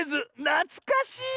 なつかしい。